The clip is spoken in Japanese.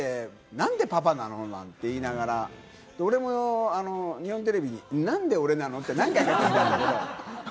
なんでパパなの？なんて言いながら、俺も日本テレビに、なんで俺なの？って何回か聞いたんだけど。